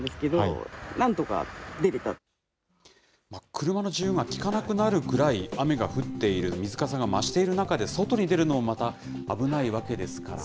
車の自由がきかなくなるぐらい、雨が降っている、水かさが増している中で、外に出るのもまた危ないわけですから。